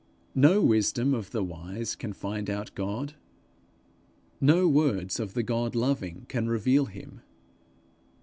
No wisdom of the wise can find out God; no words of the God loving can reveal him.